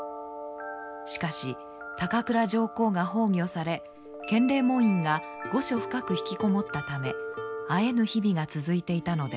しかし高倉上皇が崩御され建礼門院が御所深く引きこもったため会えぬ日々が続いていたのです。